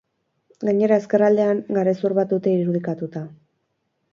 Gainera, ezkerraldean garezur bat dute irudikatuta.